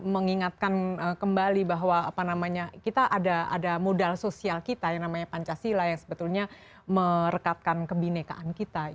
mengingatkan kembali bahwa kita ada modal sosial kita yang namanya pancasila yang sebetulnya merekatkan kebinekaan kita